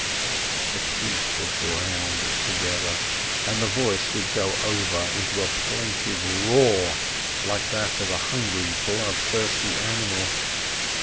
The teeth were ground together, and the voice would go over into a plaintive roar, like that of a hungry, bloodthirsty animal.